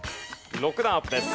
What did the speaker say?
６段アップです。